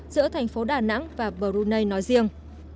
giữa thành phố đà nẵng và brunei nói riêng